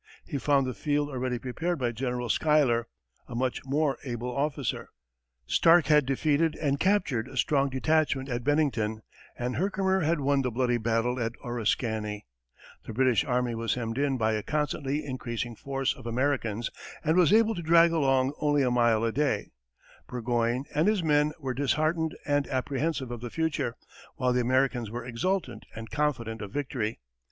He found the field already prepared by General Schuyler, a much more able officer. Stark had defeated and captured a strong detachment at Bennington, and Herkimer had won the bloody battle of Oriskany; the British army was hemmed in by a constantly increasing force of Americans, and was able to drag along only a mile a day; Burgoyne and his men were disheartened and apprehensive of the future, while the Americans were exultant and confident of victory.